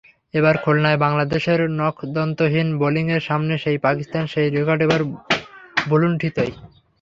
এবার খুলনায় বাংলাদেশের নখদন্তহীন বোলিংয়ের সামনে সেই পাকিস্তান সেই রেকর্ড এবার ভুলুন্ঠিতই।